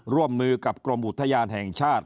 ร่วมมือกับกรมอุทยานแห่งชาติ